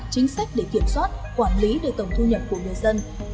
chính sách để kiểm soát quản lý đề tổng thu nhập của người dân